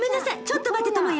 ちょっと待ってトモヤ。